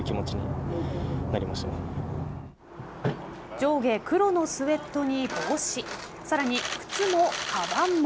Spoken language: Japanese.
上下黒のスウェットに帽子さらに靴もかばんも。